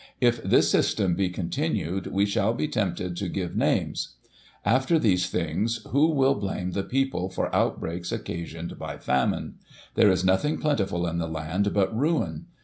If this system be continued, we shall be tempted to give names. After these things, who will blame the people for outbreaks Digiti ized by Google 294 GOSSIP. [1846 occasioned by famine? There is nothing plentiful in the land but ruin